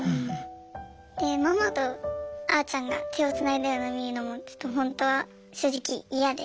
でママとあーちゃんが手をつないでるの見るのもちょっとほんとは正直嫌で。